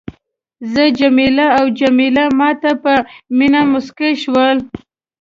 زه جميله او جميله ما ته په مینه مسکي شول.